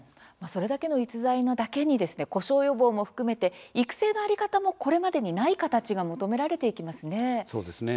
それだけの逸材なだけに故障予防を含めて育成の在り方もこれまでにない形が求められていきますね。